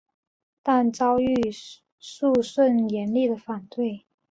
但遭遇肃顺严厉的反对。